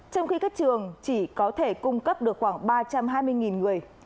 trong khi các trường chỉ có thể cung cấp được khoảng ba trăm hai mươi người